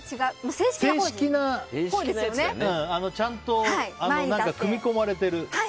正式なちゃんと組み込まれてる。